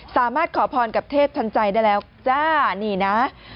สามารถขอพรกับเทพทันใจได้แล้วค่ะนี่นะ